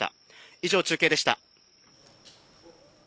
以上、中継でした。